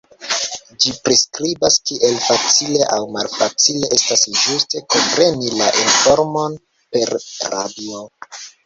Ĝi priskribas kiel facile aŭ malfacile estas ĝuste kompreni la informon per radio.